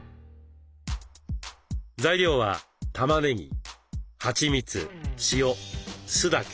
材料はたまねぎはちみつ塩酢だけ。